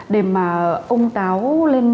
để mà ông táo lên